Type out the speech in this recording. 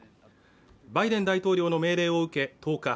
バイデン大統領の命令を受け１０日